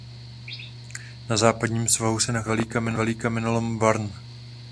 Na západním svahu se nachází bývalý kamenolom Werner.